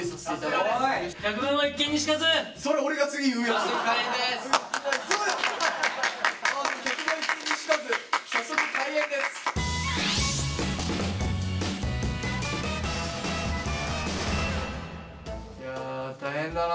いや大変だな。